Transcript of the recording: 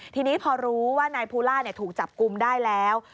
ทีนี้พอรู้ว่านายภูล่าถูกจับกลุ่มได้แล้ว